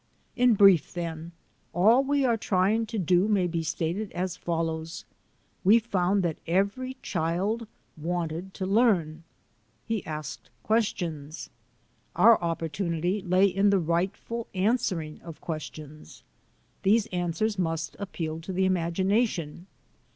In brief, then, all we are trying to do may be stated as follows: We found that every child wanted to learn. He asked questions. He was interested. Our opportunity lay in the rightful answering of questions. These answers must ap peal to the imagination.